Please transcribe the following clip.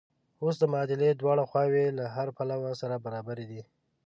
اوس د معادلې دواړه خواوې له هره پلوه سره برابرې دي.